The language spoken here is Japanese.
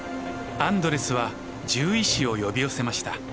アンドレスは獣医師を呼び寄せました。